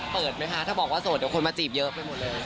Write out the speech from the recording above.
เปิดไหมคะถ้าบอกว่าโสดเดี๋ยวคนมาจีบเยอะไปหมดเลย